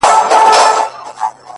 پرون دي بيا راڅه خوښي يووړله ـ